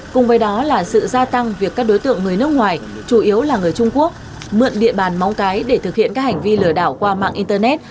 cùng với đó là sự gia tăng việc các đối tượng người nước ngoài chủ yếu là người trung quốc mượn địa bàn móng cái để thực hiện các hành vi lừa đảo qua mạng internet